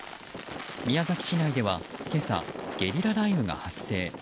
宮崎市内では今朝ゲリラ雷雨が発生。